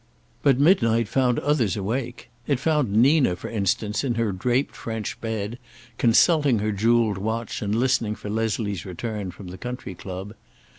But midnight found others awake. It found Nina, for instance, in her draped French bed, consulting her jeweled watch and listening for Leslie's return from the country club.